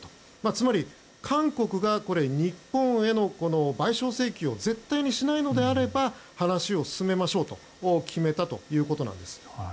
つまり、韓国が日本への賠償請求を絶対にしないのであれば話を進めましょうと決めたということなんです。